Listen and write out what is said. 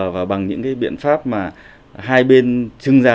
và bằng những cái biện pháp mà hai bên chưng ra